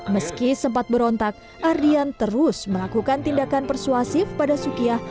meski sempat berontak ardian terus melakukan tindakan persuasif pada sukiyah